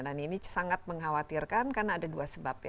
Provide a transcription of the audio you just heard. dan ini sangat mengkhawatirkan karena ada dua sebab